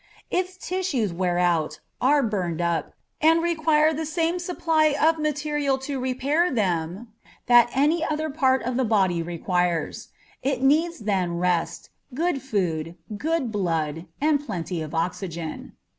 Its tissues wear out, are burned up, and require the same supply of material to repair them that any other part of the body requires. It needs then rest, good food, good blood, and plenty of oxygen.